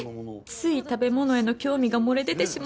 つい食べ物への興味が漏れ出てしまった